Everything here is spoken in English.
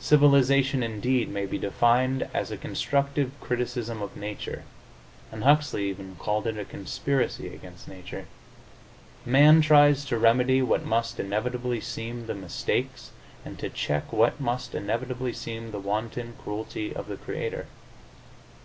Civilization, indeed, may be defined as a constructive criticism of nature, and Huxley even called it a conspiracy against nature. Man tries to remedy what must inevitably seem the mistakes and to check what must inevitably seem the wanton cruelty of the Creator.